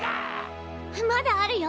まだあるよ